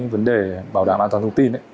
vấn đề bảo đảm an toàn thông tin